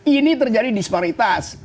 ini terjadi disparitas